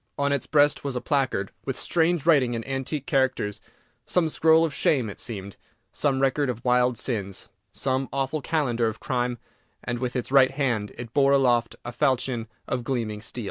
On its breast was a placard with strange writing in antique characters, some scroll of shame it seemed, some record of wild sins, some awful calendar of crime, and, with its right hand, it bore aloft a falchion of gleaming steel.